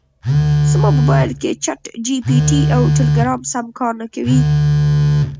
زما مبایل کې چټ جي پي ټي او ټیلیګرام سم کار نکوي